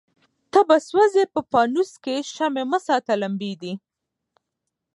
ته به سوځې په پانوس کي شمعي مه ساته لمبې دي